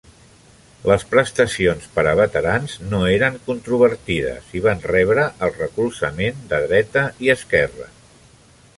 Les prestacions per a veterans no eres controvertides i van rebre el recolzament de dreta i esquerra.